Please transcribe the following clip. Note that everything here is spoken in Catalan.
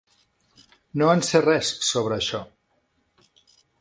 No en sé res sobre això.